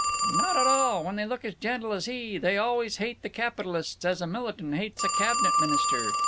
"Not at all. When they look as gentle as he they always hate the capitalists as a militant hates a cabinet minister.